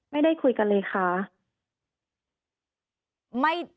ไม่ได้คุยกันเลยค่ะ